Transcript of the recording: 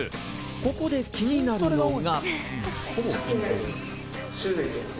ここで気になるのが。